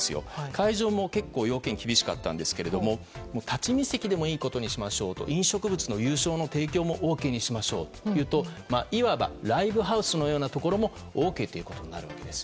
会場も結構要件厳しかったんですが立ち見席でもいいことにしましょうと飲食物の有償の提供もＯＫにしましょうとなるといわばライブハウスのようなところもＯＫということになるわけです。